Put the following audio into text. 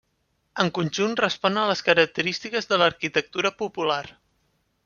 En conjunt respon a les característiques de l'arquitectura popular.